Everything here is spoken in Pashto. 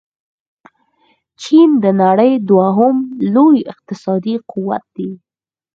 چين د نړۍ دوهم لوی اقتصادي قوت دې.